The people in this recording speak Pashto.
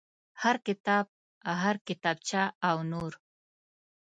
هر کتاب هر کتابچه او نور.